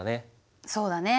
そうだね。